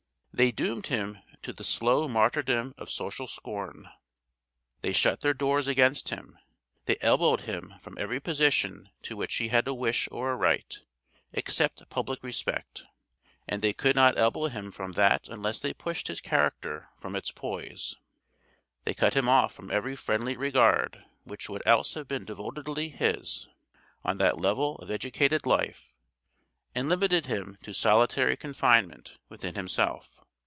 They doomed him to the slow martyrdom of social scorn. They shut their doors against him. They elbowed him from every position to which he had a wish or a right, except public respect, and they could not elbow him from that unless they pushed his character from its poise. They cut him off from every friendly regard which would else have been devotedly his, on that level of educated life, and limited him to 'solitary confinement' within himself.